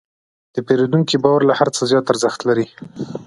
د پیرودونکي باور له هر څه زیات ارزښت لري.